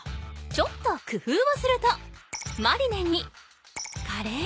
ちょっとくふうをするとマリネにカレー。